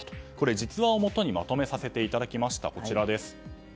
実話をもとにまとめさせていただきました。